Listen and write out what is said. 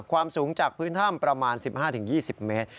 ความสูงจากพื้นถ้ำประมาณ๑๕๒๐เมตร